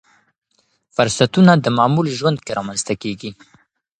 فرصتونه د معمول ژوند کې رامنځته کېږي.